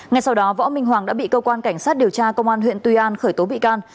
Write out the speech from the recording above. ngay sau đó võ minh hoàng đã bị cơ quan cảnh sát điều tra công an huyện tuy an khởi tố bị can